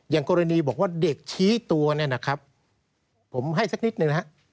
อย่างกรณีบอกว่าเด็กชี้ตัวเนี่ยนะครับผมให้สักนิดหนึ่งนะฮะ